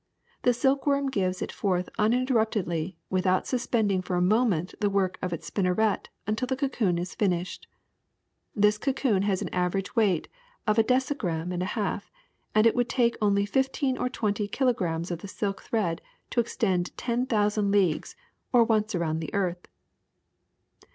The silkworm gives it forth uninterruptedly w^ithout suspending for a moment the work of its spinneret until the cocoon is finished. This cocoon has an average weight of a decigram and a half, and it would take only fifteen or twenty kilo grams of the silk thread to extend ten thousand leagues, or once around the earth.